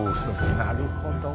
なるほど。